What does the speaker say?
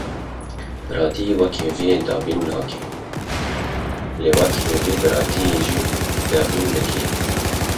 Biratî wekheviyê dabîn nake, lê wekhevî biratiyê jî dabîn dike.